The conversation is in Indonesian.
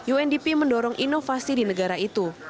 undp mendorong inovasi di negara itu